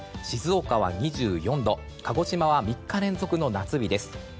静岡は２４度鹿児島は３日連続の夏日です。